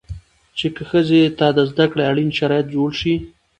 چې که ښځې ته د زده کړې اړين شرايط جوړ شي